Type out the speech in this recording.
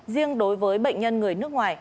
riêng đối với bệnh nhân người nước ngoài